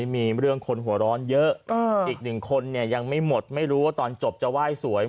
มีเรื่องคนหัวร้อนเยอะอีกหนึ่งคนเนี่ยยังไม่หมดไม่รู้ว่าตอนจบจะไหว้สวย